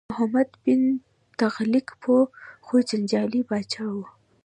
محمد بن تغلق پوه خو جنجالي پاچا و.